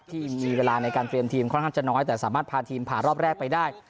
ที่มีเวลาในการเตรียมทีมค่อนข้างจะน้อยแต่สามารถพาทีมผ่านรอบแรกไปได้